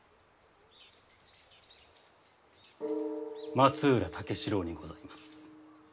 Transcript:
松浦武四郎にございます。